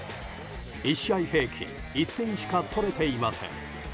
１試合平均１点しか取れていません。